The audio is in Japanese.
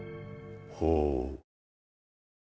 ほう。